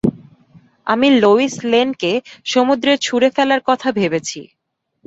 আমি লোয়িস লেনকে সমুদ্রে ছুঁড়ে ফেলার কথা ভেবেছি।